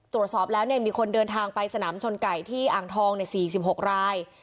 ตรวจสอบแล้วมีคนเดินทางไปสนามชนไก่ที่อ่างทอง๔๖ราย